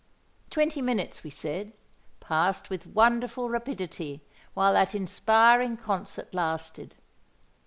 Twenty minutes, we said, passed with wonderful rapidity while that inspiring concert lasted.